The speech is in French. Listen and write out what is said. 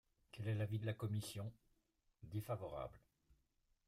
» Quel est l’avis de la commission ? Défavorable.